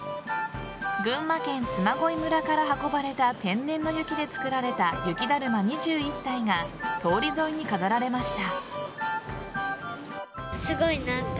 群馬県嬬恋村から運ばれた天然の雪で作られた雪だるま２１体が通り沿いに飾られました。